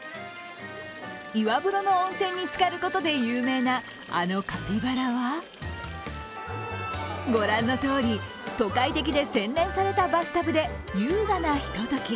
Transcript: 岩風呂の温泉に浸かることで有名なあのカピバラはご覧のとおり、都会的で洗練されたバスタブで優雅なひととき。